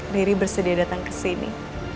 riri bersedia datang kesini